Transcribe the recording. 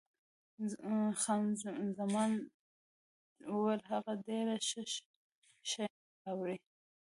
خان زمان وویل، هغه ډېر ښه شیان راوړي.